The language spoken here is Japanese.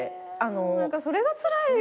それがつらいよ